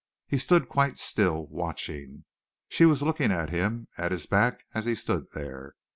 He stood quite still, watching. She was looking at him, at his back, as he stood there.